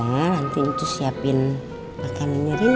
nanti njus siapin makanannya reina